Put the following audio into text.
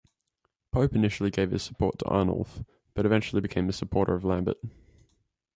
Pope initially gave his support to Arnulf, but eventually became a supporter of Lambert.